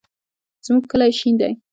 زمونږ کلی شین دی